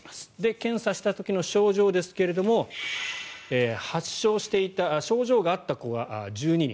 検査した時の症状ですが発症していた症状があった子が１２人。